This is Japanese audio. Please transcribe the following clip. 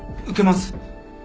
受けます。